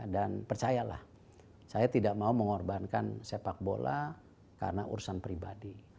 dan percayalah saya tidak mau mengorbankan sepak bola karena urusan pribadi